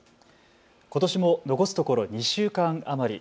ことしも残すところ２週間余り。